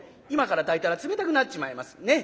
今から炊いたら冷たくなっちまいます。